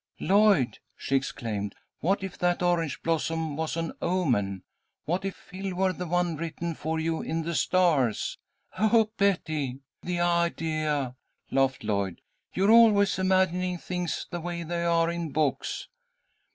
"Lloyd," she exclaimed, "what if that orange blossom was an omen! What if Phil were the one written for you in the stars!" "Oh, Betty! The idea!" laughed Lloyd. "You're always imagining things the way they are in books."